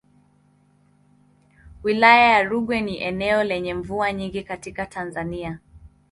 Wilaya ya Rungwe ni eneo lenye mvua nyingi katika Tanzania.